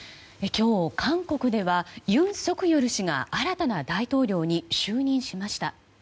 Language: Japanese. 今日、韓国では尹錫悦氏が新たな大統領に就任しました。